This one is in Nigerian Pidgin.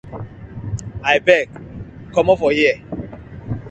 Abeg comot for here.